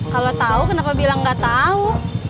kalau tau kenapa bilang gak tau